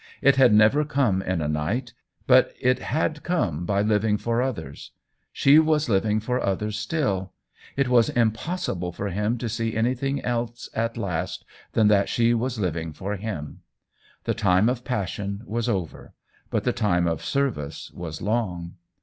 It had never come in a night, but it had come by living for others. She was living for others still ; it was impossible for him to see anything else at last than that she was living for him. The time of passion was over, but the time of service was long.